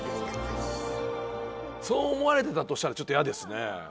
そう思われてたとしたらちょっと嫌ですね。